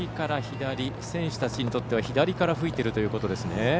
選手たちにとっては左から吹いているということですね。